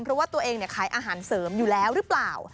เพราะว่าตัวเองขายอาหารเสริมอยู่แล้วหรือเปล่า